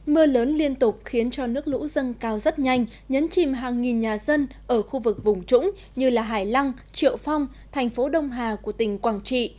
mưa lớn liên tục khiến cho nước lũ dâng cao rất nhanh nhấn chìm hàng nghìn nhà dân ở khu vực vùng trũng như hải lăng triệu phong thành phố đông hà của tỉnh quảng trị